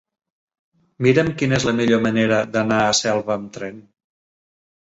Mira'm quina és la millor manera d'anar a Selva amb tren.